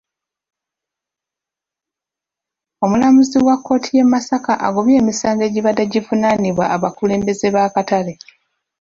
Omulamuzi wa kkooti y'e Masaka agobye emisango egibadde givunaanibwa abakulembeze b'akatale.